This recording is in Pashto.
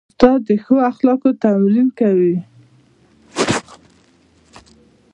استاد د ښو اخلاقو تمرین کوي.